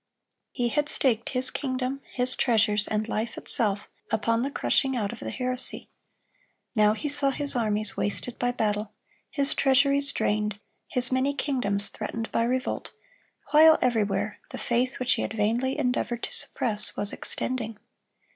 He had staked his kingdom, his treasures, and life itself, upon the crushing out of the heresy. Now he saw his armies wasted by battle, his treasuries drained, his many kingdoms threatened by revolt, while everywhere the faith which he had vainly endeavored to suppress, was extending.